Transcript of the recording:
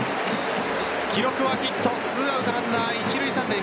記録はヒット２アウトランナー一塁・三塁。